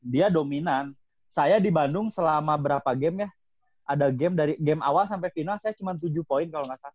dia dominan saya di bandung selama berapa game ya ada game dari game awal sampai final saya cuma tujuh poin kalau nggak salah